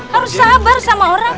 harus sabar sama orang